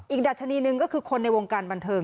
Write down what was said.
ดัชนีหนึ่งก็คือคนในวงการบันเทิง